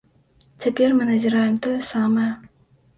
Цяпер мы назіраем тое самае.